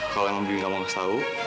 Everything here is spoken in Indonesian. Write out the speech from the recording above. kalau yang bi gak mau kasih tau